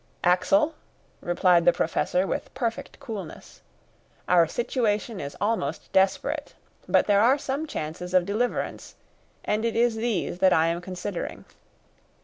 "Axel," replied the Professor with perfect coolness, "our situation is almost desperate; but there are some chances of deliverance, and it is these that I am considering.